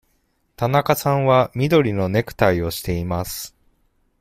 田中さんは緑のネクタイをしています。